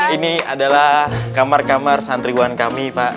ini adalah kamar kamar santriwan kami pak